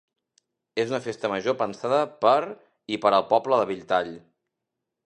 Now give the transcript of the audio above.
És una Festa Major pensada per i per al poble de Belltall.